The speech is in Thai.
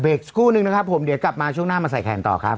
อีกสักครู่นึงนะครับผมเดี๋ยวกลับมาช่วงหน้ามาใส่แขนต่อครับ